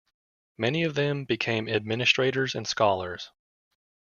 Many of them became administrators and scholars.